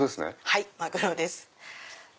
はいマグロです。